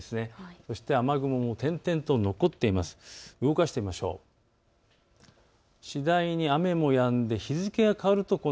そして雨雲も点々と残っています。